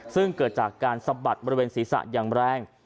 ซึ่งเกิดจากการสะบัดบริเวณศีรษะอย่างแรง